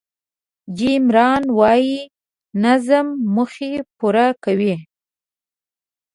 جیم ران وایي نظم موخې پوره کوي.